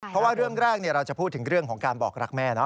เพราะว่าเรื่องแรกเราจะพูดถึงเรื่องของการบอกรักแม่เนอ